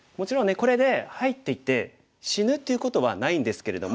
これで入っていて死ぬっていうことはないんですけれども。